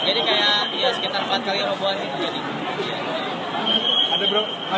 jadi kayak ya sekitar empat kali roboan